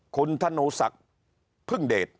คุณธนูศักดิ์พึ่งเดช